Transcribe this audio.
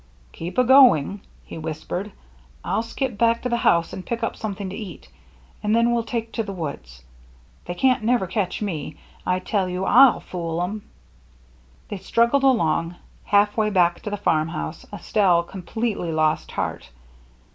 " Keep a going," he whispered. " I'll skip back to the house and pick up something to eat, and then we'll take to the woods. They can't never catch me, I tell you. rn fool 'em." They struggled along. Halfway back to the farm house Estelle completely lost heart.